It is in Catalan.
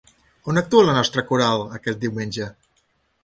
On actua la nostra coral, aquest diumenge?